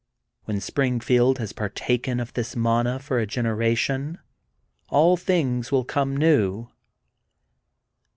When Springfield has partaken of this manna for a generation, all things will be come new.